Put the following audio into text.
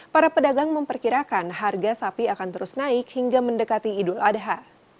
para pedagang memperkirakan harga sapi akan terus naik hingga mendekati idul adha